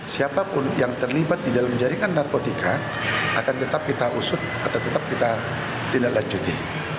siapapun yang terlibat di dalam jaringan narkotika akan tetap kita usut atau tetap kita tindak lanjuti